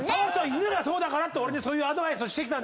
犬がそうだからってそういうアドバイスをしてきたんです。